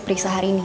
periksa hari ini